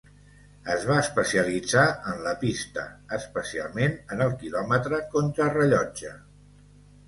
Es va especialitzar en la pista, especialment en el Quilòmetre contrarellotge.